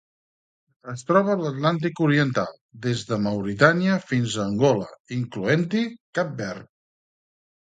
Es troba a l'Atlàntic oriental: des de Mauritània fins a Angola, incloent-hi Cap Verd.